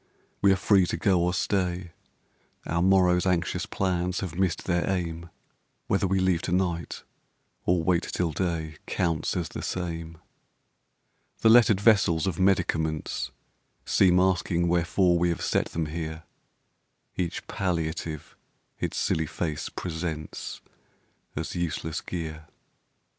We are free to go or stay; Our morrowŌĆÖs anxious plans have missed their aim; Whether we leave to night or wait till day Counts as the same. The lettered vessels of medicaments Seem asking wherefore we have set them here; Each palliative its silly face presents As useless gear.